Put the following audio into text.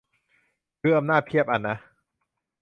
คืออำนาจเพียบอะนะ